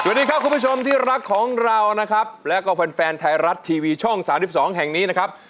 สวัสดีครับคุณผู้ชมที่รักของเรานะครับแล้วก็แฟนแฟนไทยรัฐทีวีช่อง๓๒แห่งนี้นะครับ